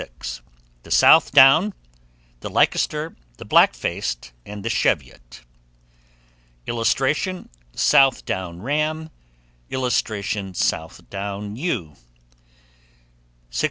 THE SOUTH DOWN, the LEICESTER, the BLACK FACED, and the CHEVIOT. [Illustration: SOUTH DOWN RAM.] [Illustration: SOUTH DOWN EWE.